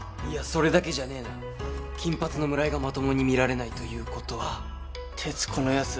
それだけじゃねえな金髪の村井がまともに見られないということは鉄子のヤツ